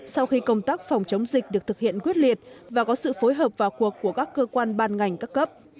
sau khi công tác phòng chống dịch được thực hiện quyết liệt và có sự phối hợp vào cuộc của các cơ quan ban ngành các cấp